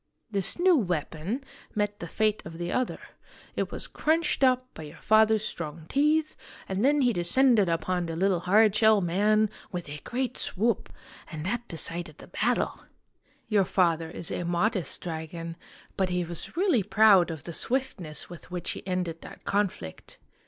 "This new weapon met the fate of the other. It was crunched up by your father's strong teeth, and then he descended upon the little hard shell man with a great swoop and that decided the battle ! Your father is a modest dragon, but he was really proud of the swiftness with which he ended that conflict.